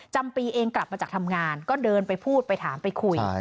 จำปีเองกลับมาจากทำงานก็เดินไปพูดไปถามไปคุย